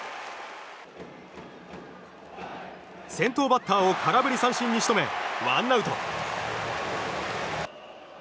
先頭バッターを空振り三振に仕留めワンアウト。